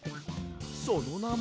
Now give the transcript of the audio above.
そのなも。